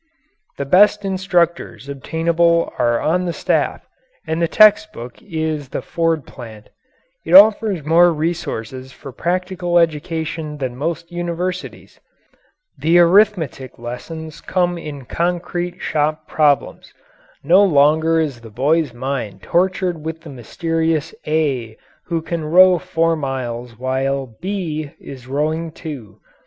The best instructors obtainable are on the staff, and the text book is the Ford plant. It offers more resources for practical education than most universities. The arithmetic lessons come in concrete shop problems. No longer is the boy's mind tortured with the mysterious A who can row four miles while B is rowing two.